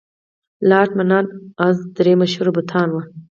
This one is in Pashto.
لات، منات، عزا درې مشهور بتان وو.